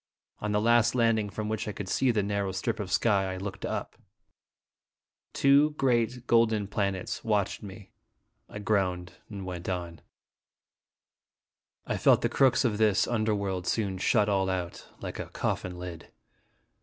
On the last landing from which I could see the narrow strip of sky, I looked up. Two great golden planets watched SEtye Dramatic in iHg iDestinjj. 137 me. I groaned and went on. I felt the crooks of this under world soon shut all out, like a coffin lid.